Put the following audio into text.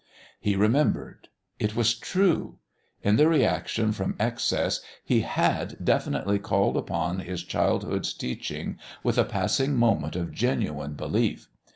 He remembered. It was true. In the reaction from excess he had definitely called upon his childhood's teaching with a passing moment of genuine belief.